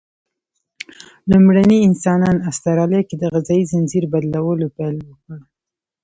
لومړني انسانان استرالیا کې د غذایي ځنځیر بدلولو پیل وکړ.